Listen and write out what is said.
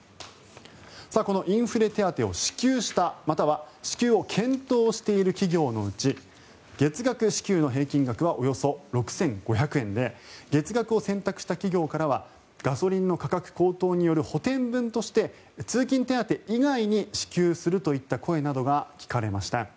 このインフレ手当を支給したまたは支給を検討している企業のうち月額支給の平均額はおよそ６５００円で月額を選択した企業からはガソリンの価格高騰による補てん分として通勤手当以外に支給するといった声などが聞かれました。